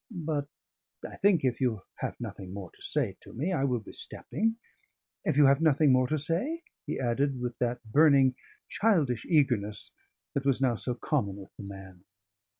But I think, if you have nothing more to say to me I will be stepping. If you have nothing more to say?" he added, with that burning, childish eagerness that was now so common with the man.